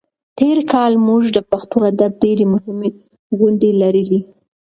تېر کال موږ د پښتو ادب ډېرې مهمې غونډې لرلې.